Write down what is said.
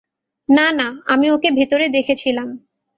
না, না, আমি ওকে ভেতরে দেখেছিলাম।